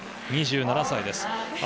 ２７歳です。